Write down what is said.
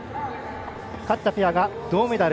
勝ったペアが銅メダル。